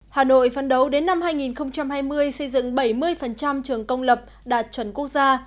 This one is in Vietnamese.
hà nội phân đấu đến năm hai nghìn hai mươi xây dựng bảy mươi trường công lập đạt chuẩn quốc gia